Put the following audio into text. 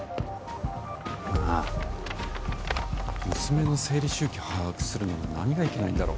なあ、娘の生理周期を把握するのの何がいけないんだろ？